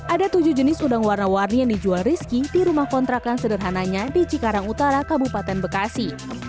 ada tujuh jenis udang warna warni yang dijual rizky di rumah kontrakan sederhananya di cikarang utara kabupaten bekasi